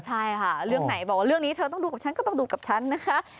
ใช่ค่ะเรื่องไหนบอกว่าเรื่องนี้เธอต้องดูกับฉันก็ต้องดูกับฉันนะคะ